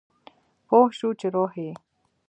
پوه شو چې روح یې